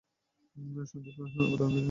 সন্দীপ অধার্মিক নয়, ও বিধার্মিক।